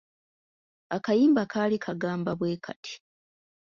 Akayimba kaali kagamba bwe kati;